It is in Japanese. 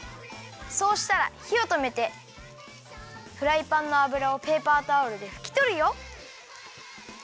そうしたらひをとめてフライパンのあぶらをペーパータオルでふきとるよ。